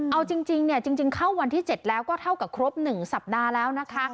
เอาจริงเนี่ยจริงเข้าวันที่๗แล้วก็เท่ากับครบ๑สัปดาห์แล้วนะคะ